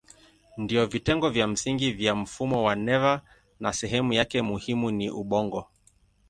Ndiyo vitengo vya msingi vya mfumo wa neva na sehemu yake muhimu ni ubongo.